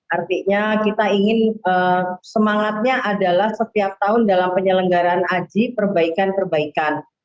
artinya kita ingin semangatnya adalah setiap tahun dalam penyelenggaran haji perbaikan perbaikan